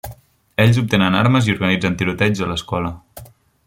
Ells obtenen armes i organitzen tiroteigs a l'escola.